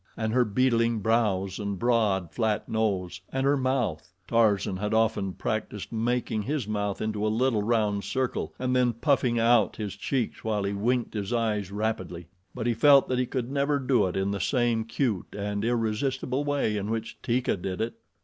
And her beetling brows, and broad, flat nose, and her mouth! Tarzan had often practiced making his mouth into a little round circle and then puffing out his cheeks while he winked his eyes rapidly; but he felt that he could never do it in the same cute and irresistible way in which Teeka did it.